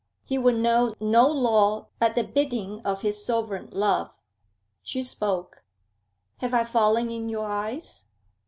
He would know no law but the bidding of his sovereign love. She spoke. 'Have I fallen in your eyes?'